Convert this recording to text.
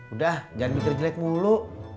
udah jangan mikir jelek mulu